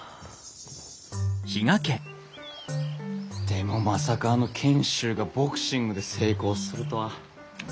でもまさかあの賢秀がボクシングで成功するとは。